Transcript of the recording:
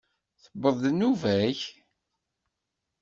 Tewweḍ-d nnuba-k?